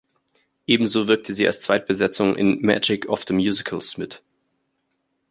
Ebenso wirkte sie als Zweitbesetzung in "Magic of the Musicals" mit.